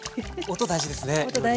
音大事です！